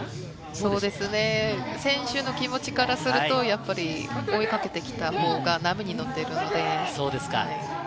そうですね、選手の気持ちからすると、追いかけてきたほうが波に乗っているので。